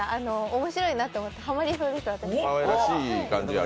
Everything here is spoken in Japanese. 面白いなと思って、ハマりました、私。